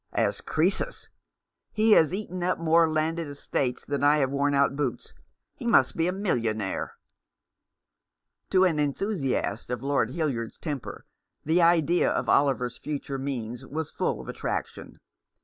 " As Crcesus ! He has eaten up more landed estates than I have worn out boots. He must be a millionaire." To an enthusiast of Lord Hildyard's temper the idea of Oliver's future means was full of attraction.